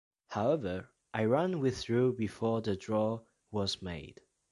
However, Iran withdrew before the draw was made.